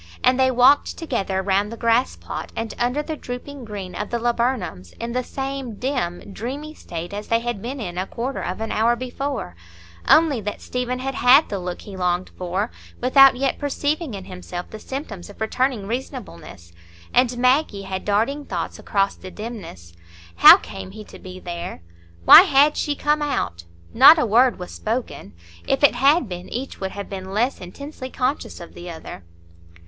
And they walked together round the grassplot and under the drooping green of the laburnums, in the same dim, dreamy state as they had been in a quarter of an hour before; only that Stephen had had the look he longed for, without yet perceiving in himself the symptoms of returning reasonableness, and Maggie had darting thoughts across the dimness,—how came he to be there? Why had she come out? Not a word was spoken. If it had been, each would have been less intensely conscious of the other.